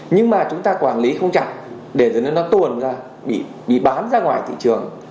nhưng mà chúng ta quản lý không chặt để cho nó tuồn ra bị bán ra ngoài thị trường